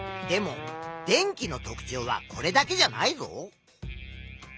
でも電気の特ちょうはこれだけじゃないぞ。